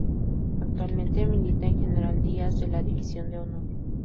Actualmente milita en General Díaz de la División de Honor.